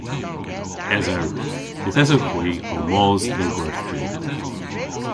Esewgh. Yth esewgh hwi ow mos dhe'n gwerthji.